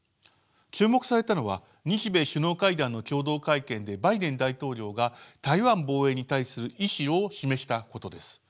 注目されたのは日米首脳会談の共同会見でバイデン大統領が台湾防衛に対する意思を示したことです。